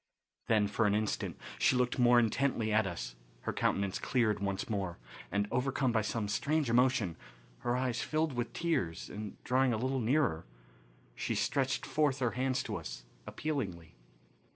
Then for an instant she looked more intently at us, her countenance cleared once more, and, overcome by some strange emotion, her eyes filled with tears, and, drawing a little nearer, she stretched forth her hands to us appealingly.